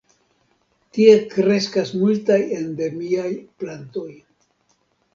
Tie kreskas multaj endemiaj plantoj.